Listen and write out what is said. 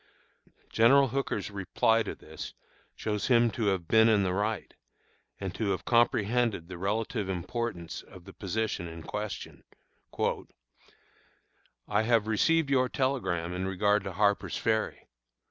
General Hooker's reply to this shows him to have been in the right, and to have comprehended the relative importance of the position in question: "I have received your telegram in regard to Harper's Ferry.